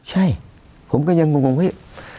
ใช่ผมก็ยังงงเฮ้ย